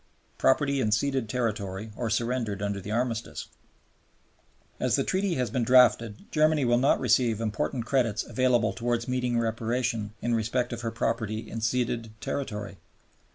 Property in ceded Territory or surrendered under the Armistice As the Treaty has been drafted Germany will not receive important credits available towards meeting reparation in respect of her property in ceded territory.